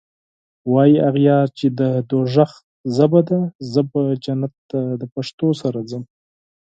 واي اغیار چی د دوږخ ژبه ده زه به جنت ته دپښتو سره ځم